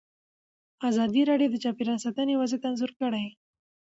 ازادي راډیو د چاپیریال ساتنه وضعیت انځور کړی.